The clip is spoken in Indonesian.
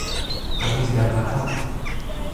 Kami sedang rapat.